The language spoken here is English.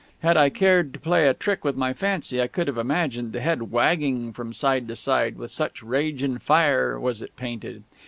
Had I cared to play a trick with my fancy I could have imagined the head wagging from side to side, with such rage and fire was it painted.